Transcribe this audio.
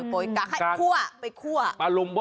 โบยกั๊กให้คั่วไปคั่วโบยกั๊กปลารมปะ